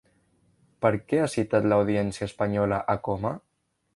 Per què ha citat l'Audiència espanyola a Coma?